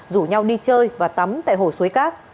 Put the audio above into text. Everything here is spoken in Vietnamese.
rủ nhau đi chơi và tắm tại hồ suối cát